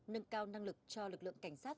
nâng cao năng lực cho lực lượng cảnh sát